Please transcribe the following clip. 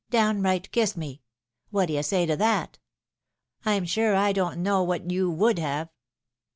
downright kissed me. What d'ye say to that? Pm sure I don't know what you would have."